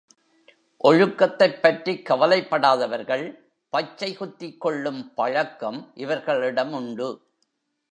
ஒழுக்கத்தைப் பற்றிக் கவலைப்படாதவர்கள், பச்சை குத்திக்கொள்ளும் பழக்கம் இவர்களிடம் உண்டு.